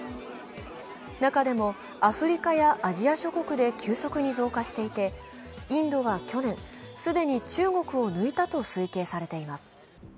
中でもアフリカやアジア諸国で急速に増加していてインドは去年、既に中国を抜いたと推計されています。